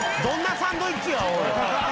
どんなサンドイッチやおい！